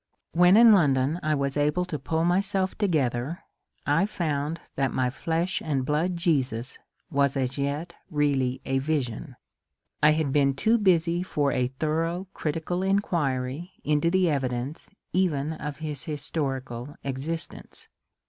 When in London I was able to pull myself together, I found that my flesh and blood Jesus was as yet really a vision* I had been too busy for a thorough critical inquiry into the evidence even of his historical existence.